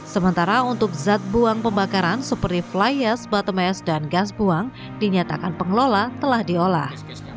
sementara untuk zat buang pembakaran seperti fly ash bottom ash dan gas buang dinyatakan pengelola telah diolah